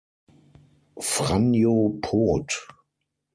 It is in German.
Franjo Poth